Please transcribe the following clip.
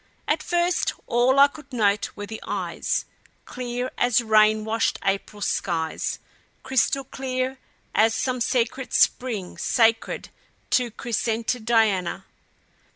At first all I could note were the eyes, clear as rain washed April skies, crystal clear as some secret spring sacred to crescented Diana.